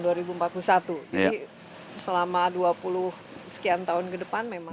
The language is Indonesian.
jadi selama dua puluh sekian tahun ke depan memang